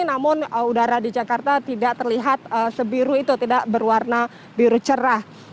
namun udara di jakarta tidak terlihat sebiru itu tidak berwarna biru cerah